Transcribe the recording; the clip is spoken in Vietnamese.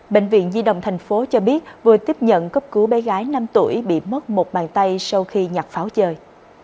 bệnh viện di đồng tp hcm cho biết vừa tiếp nhận cấp cứu bé gái năm tuổi bị mất một bàn tay sau khi nhặt pháo chơi